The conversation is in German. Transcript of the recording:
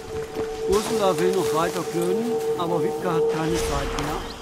Ursula will noch weiter klönen, aber Wiebke hat keine Zeit mehr.